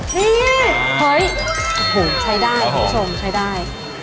ใช้ได้คุณผู้ชมใช้ได้